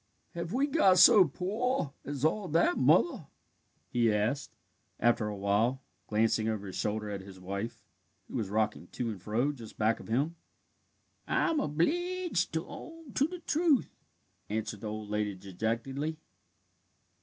"Have we got so pore as all that, Mother?" he asked, after a while, glancing over his shoulder at his wife, who was rocking to and fro just back of him. "I'm obleeged to own to the truth," answered the old lady dejectedly.